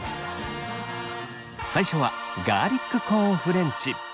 最初はガーリックコーンフレンチ。